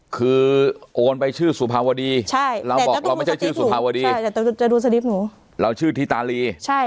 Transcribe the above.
คือโอนไปชื่อสุภาวดีเราบอกเราไม่ใช่ชื่อสุภาวดีเราชื่อธิตาลี